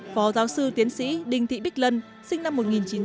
phó giáo sư tiến sĩ đinh thị bích lân sinh năm một nghìn chín trăm tám mươi